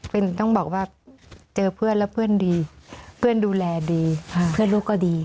เป็นต้องบอกว่าเจอเพื่อนแล้วเพื่อนดีเพื่อนดูแลดีเพื่อนลูกก็ดี